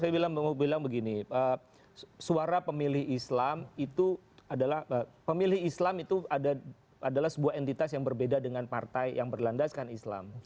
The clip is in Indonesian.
jadi saya mau bilang begini suara pemilih islam itu adalah sebuah entitas yang berbeda dengan partai yang berlandaskan islam